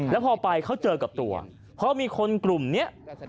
แล้วพอไปเขาเจอกับตัวเพราะมีคนกลุ่มนี้